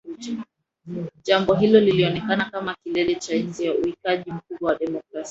Jambo hilo lilionekana kama kilele cha enzi ya ukiukaji mkubwa wa demokrasia